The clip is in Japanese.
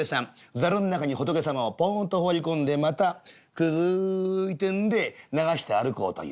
ざるん中に仏様をぽんと放り込んでまた「くずい」ってんで流して歩こうという。